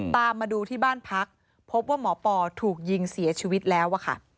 ตามมาดูที่บ้านพักพบว่าหมอปอถูกยิงเสียชีวิตแล้วอะค่ะ